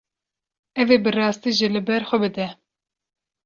Ew ê bi rastî jî li ber xwe bide.